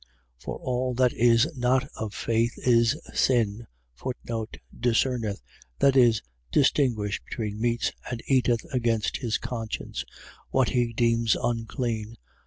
For all that is not of faith is sin. Discerneth. . .That is, distinguisheth between meats, and eateth against his conscience, what he deems unclean.